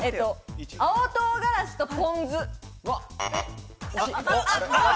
青唐辛子とポン酢。